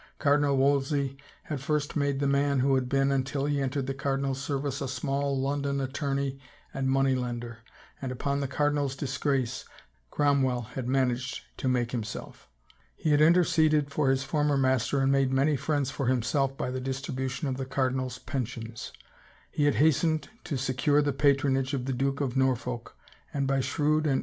Cardinal Wolsey had first made the man who had been, until he entered the cardinal's service, a small London attorney and moitey lender, and upon the cardinal's dis grace, Cromwell had managed to make himself. He had interceded for his former master and made many friends for himself by the distribution of the cardinal's pensions ; he had hastened to secure the patronage of the Duke of Norfolk and by shrewd and.